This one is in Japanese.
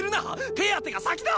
手当てが先だ！